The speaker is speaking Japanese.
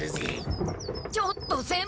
ちょっと先輩方！